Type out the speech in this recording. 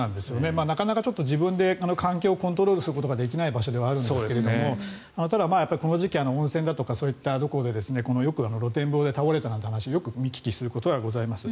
なかなか自分で環境をコントロールすることができない場所ではあるんですがただ、この時期、温泉だとかそういったところでよく露天風呂で倒れたという話をよく見聞きすることがございます。